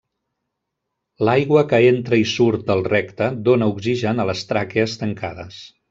L'aigua que entra i surt del recte dóna oxigen a les tràquees tancades.